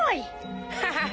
アハハハ！